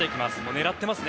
狙っていますね。